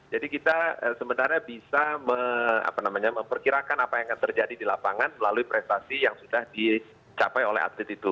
jadi kita sebenarnya bisa memperkirakan apa yang akan terjadi di lapangan melalui prestasi yang sudah dicapai oleh atlet itu